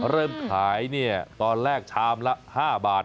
เริ่มขายตอนแรกชามละ๕บาท